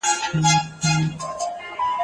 ته د وطن خوبونه څه له وينې؟